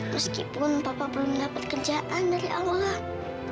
meskipun papa belum dapat kerjaan dari allah